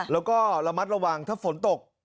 แล้วก็ระมัดระวังถ้าฝนตก